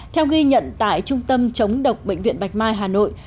theo ghi nhận tại trung tâm chống độc bệnh viện bạch mai hà nội